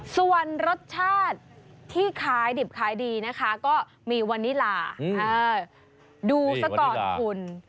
ส่วนรสชาติที่ขายดิบขายดีนะคะก็มีวันนี้ลาดูซะก่อนคุณ